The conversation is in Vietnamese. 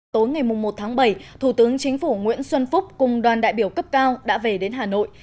tối ngày một tháng bảy thủ tướng chính phủ nguyễn xuân phúc cùng đoàn đại biểu cấp cao đã về đến hà nội